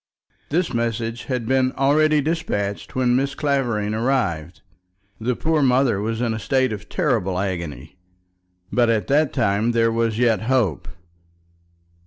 This message had been already despatched when Mrs. Clavering arrived. The poor mother was in a state of terrible agony, but at that time there was yet hope.